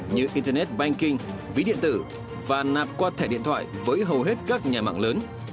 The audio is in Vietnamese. như internet banking ví điện tử và nạp qua thẻ điện thoại với hầu hết các nhà mạng lớn